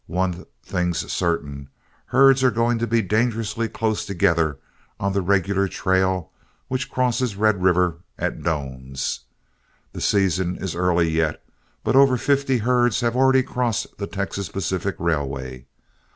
One thing's certain; herds are going to be dangerously close together on the regular trail which crosses Red River at Doan's. The season is early yet, but over fifty herds have already crossed the Texas Pacific Railway.